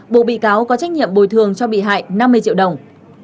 bộ bị cáo có trách nhiệm bồi thường cho bị hại năm mươi triệu đồng